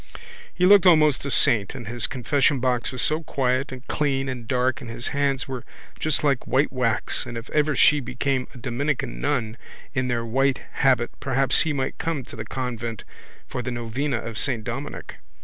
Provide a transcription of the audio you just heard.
He looked almost a saint and his confessionbox was so quiet and clean and dark and his hands were just like white wax and if ever she became a Dominican nun in their white habit perhaps he might come to the convent for the novena of Saint Dominic.